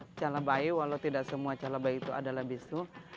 bisu itu calabai walau tidak semua calabai itu adalah bisu